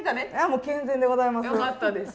もう健全でございます。